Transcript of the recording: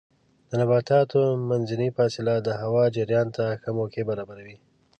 د نباتاتو منځنۍ فاصله د هوا جریان ته ښه موقع برابروي.